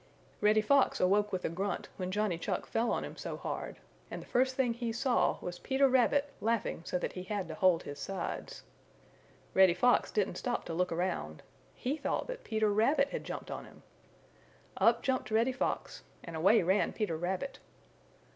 Reddy Fox awoke with a grunt when Johnny Chuck fell on him so hard, and the first thing he saw was Peter Rabbit laughing so that he had to hold his sides. Reddy Fox didn't stop to look around. He thought that Peter Rabbit had jumped on him. Up jumped Reddy Fox and away ran Peter Rabbit.